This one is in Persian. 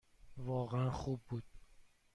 واقعاً خوب بود.